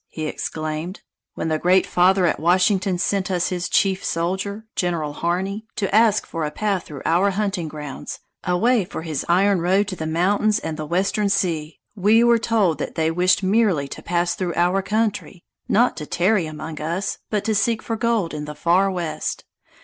he exclaimed. "When the Great Father at Washington sent us his chief soldier [General Harney] to ask for a path through our hunting grounds, a way for his iron road to the mountains and the western sea, we were told that they wished merely to pass through our country, not to tarry among us, but to seek for gold in the far west.